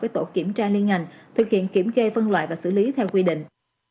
với tổ kiểm tra liên ngành thực hiện kiểm kê phân loại và xử lý theo quy định